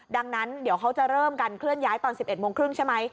ดังนั้นเดี๋ยวเขาจะเริ่มกันเคลื่อนย้ายตอน๑๑โมงครึ่งใช่ไหม